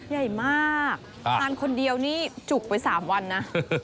ใหญ่มากทานคนเดียวนี่จุกไป๓วันนะ